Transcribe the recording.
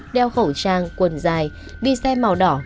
đeo khẩu trang quần dài đi xe màu đỏ